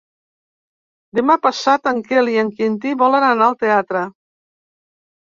Demà passat en Quel i en Quintí volen anar al teatre.